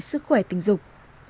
các bệnh lây chuyển qua đường tình dục